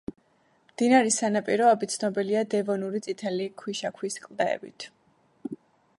მდინარის სანაპიროები ცნობილია დევონური წითელი ქვიშაქვის კლდეებით.